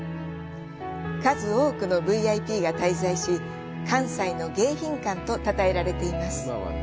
数多くのＶＩＰが滞在し、関西の迎賓館とたたえられています。